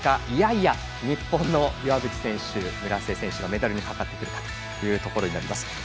いやいや、日本の岩渕選手村瀬選手がメダルにかかってくるかということになります。